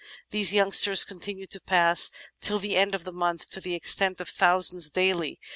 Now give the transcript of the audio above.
These youngsters continued to pass till the end of the month to the extent of thousands daily.